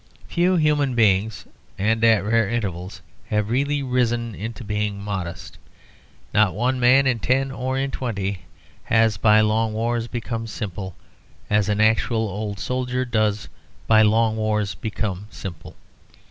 Few human beings, and at rare intervals, have really risen into being modest; not one man in ten or in twenty has by long wars become simple, as an actual old soldier does by long wars become simple.